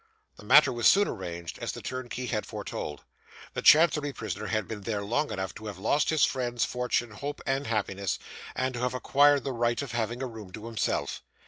The matter was soon arranged, as the turnkey had foretold. The Chancery prisoner had been there long enough to have lost his friends, fortune, home, and happiness, and to have acquired the right of having a room to himself.